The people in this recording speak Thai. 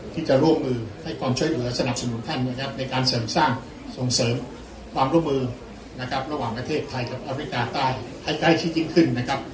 ที่จะร่วมมือให้ความช่วยเหลือสนับสนุนท่านนะครับในการเสริมสร้างส่งเสริมความร่วมมือนะครับระหว่างประเทศไทยกับอเมริกาใต้ให้ใกล้ชิดยิ่งขึ้นนะครับ